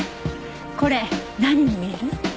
これ何に見える？